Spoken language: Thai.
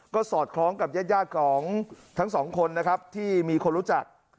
ก็สอดคล้องกับญาติของทั้งสองคนนะครับที่มีคนรู้จัก